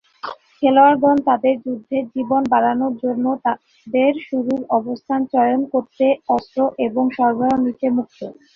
খেলোয়াড়গণ তাদের যুদ্ধের জীবন বাড়ানোর জন্য তাদের শুরুর অবস্থান চয়ন করতে, অস্ত্র এবং সরবরাহ নিতে মুক্ত।